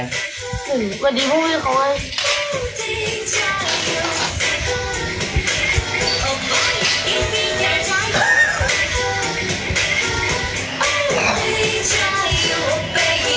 สวัสดีพวกมันเลย